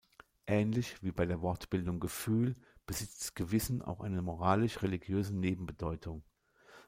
Ähnlich wie bei der Wortbildung „Gefühl“ besitzt „Gewissen“ auch eine moralisch-religiöse Nebenbedeutung.